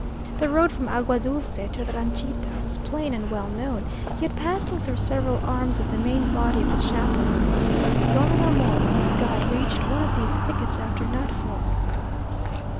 The road from Agua Dulce to the ranchita was plain and well known, yet passing through several arms of the main body of the chaparral. Don Ramon and his guide reached one of these thickets after nightfall.